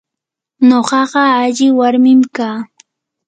nuqaqa alli warmim kaa.